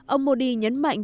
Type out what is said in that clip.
ông modi nhấn mạnh